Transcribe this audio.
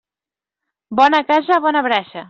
Bona casa, bona brasa.